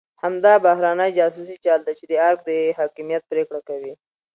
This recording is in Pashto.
همدا بهرنی جاسوسي جال دی چې د ارګ د حاکمیت پرېکړه کوي.